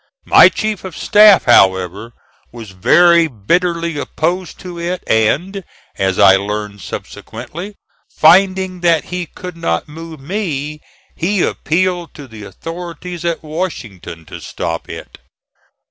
My chief of staff, however, was very bitterly opposed to it and, as I learned subsequently, finding that he could not move me, he appealed to the authorities at Washington to stop it.